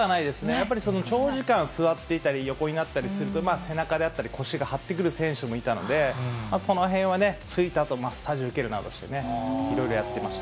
やっぱり長時間座っていたり、横になったりすると、背中であったり腰が張ってくる選手もいたので、そのへんはね、着いたあと、マッサージを受けるなどしてね、いろいろやってまし